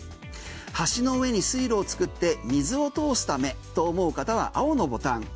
橋の上に水路を作って水を通すためと思う方は青のボタン。